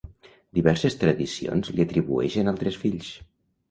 Diverses tradicions li atribueixen altres fills.